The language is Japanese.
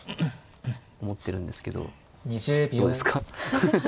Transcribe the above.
思ってるんですけどどうですか？